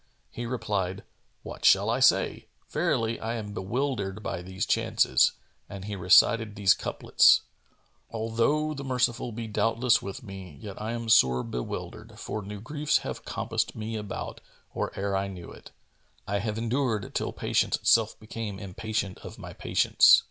He replied, "What shall I say? Verily, I am bewildered by these chances!" And he recited these couplets,[FN#426] "Although the Merciful be doubtless with me, Yet am I sore bewildered, for new griefs Have compassed me about, or ere I knew it, I have endured till Patience self became Impatient of my patience.